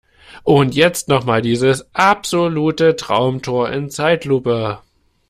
Und jetzt noch mal dieses absolute Traumtor in Zeitlupe!